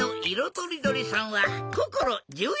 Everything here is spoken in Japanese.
とりどりさんはこころ１４さい。